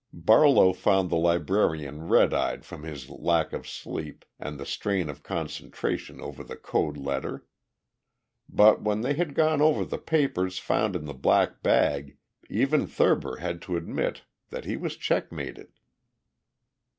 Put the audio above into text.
Barlow found the librarian red eyed from his lack of sleep and the strain of the concentration over the code letter. But when they had gone over the papers found in the black bag, even Thurber had to admit that he was checkmated.